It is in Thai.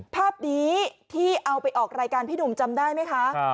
ภาพนี้ที่เอาไปออกรายการพี่หนุ่มจำได้ไหมคะ